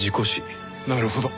なるほど。